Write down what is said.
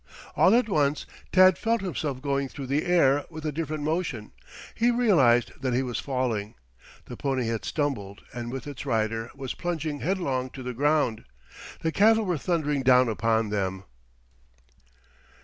All at once Tad felt himself going through the air with a different motion. He realized that he was falling. The pony had stumbled and with its rider was plunging headlong to the ground. The cattle were thundering down upon them.